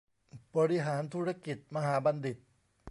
บริหารธุรกิจมหาบัณฑิต